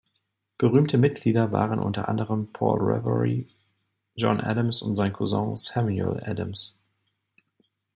Berühmte Mitglieder waren unter anderem Paul Revere, John Adams und sein Cousin Samuel Adams.